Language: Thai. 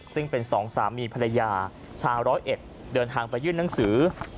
ซึ่งเป็นสองสามีภรรยาชาวร้อยเอ็ดเดินทางไปยื่นหนังสือ